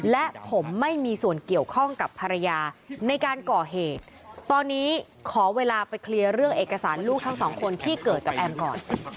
และผมไม่มีส่วนเกี่ยวข้องกับภรรยาในการก่อเหตุตอนนี้ขอเวลาไปเคลียร์เรื่องเอกสารลูกทั้งสองคนที่เกิดกับแอมก่อน